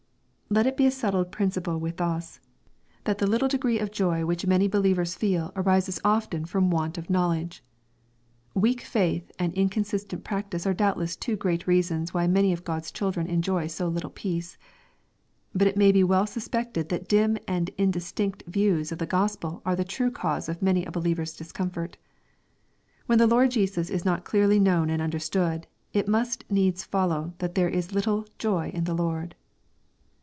Let it to a settled principle with us, that the little 528 EXPOSITORY THOUaHTS. degree of joy which many believers feel arises often from want of knowledge. Weak faith and inconsistent prac tice are doubtless two great reasons why many of Q od's children enjoy so little peace. But it may well be sus pected that dim and indistinct views of the Grospel are the true cause of many a believer's discomfort. When the Lord Jesus is not clearly known and understood, it must needs follow that there is little "joy in the Lord."